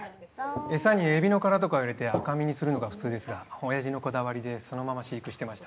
エサにエビの殻とかを入れて赤身にするのが普通ですが親父のこだわりでそのまま飼育してました。